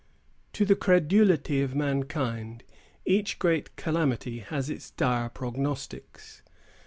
To the credulity of mankind each great calamity has its dire prognostics.